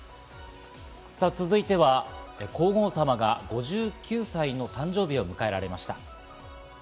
さあ、続いては皇后さまが５９歳の誕生日を迎えられました。